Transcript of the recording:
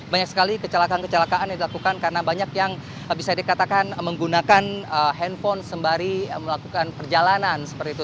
banyak sekali kecelakaan kecelakaan yang dilakukan karena banyak yang bisa dikatakan menggunakan handphone sembari melakukan perjalanan seperti itu